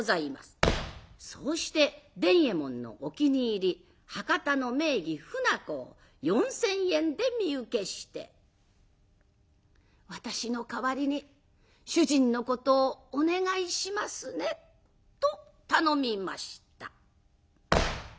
そうして伝右衛門のお気に入り博多の名妓ふなこを４，０００円で身請けして「私の代わりに主人のことをお願いしますね」と頼みました。